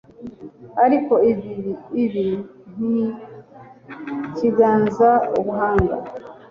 ariko ikibi ntikiganza ubuhanga